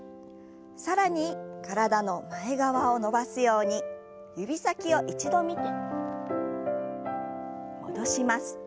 更に体の前側を伸ばすように指先を一度見て戻します。